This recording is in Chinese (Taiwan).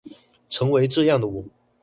成為這樣的我